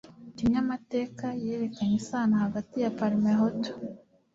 kinyamateka yerekanye isano hagati ya parmehutu